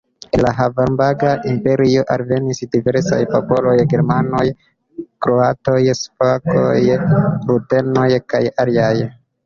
El la Habsburga Imperio alvenis diversaj popoloj: germanoj, kroatoj, slovakoj, rutenoj kaj aliaj.